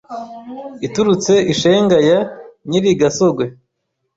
Iturutse i Shenga ya Nyirigasogwe